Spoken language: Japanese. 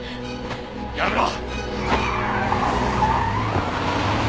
やめろ！